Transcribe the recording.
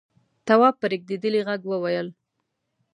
تواب په رېږدېدلي غږ وويل: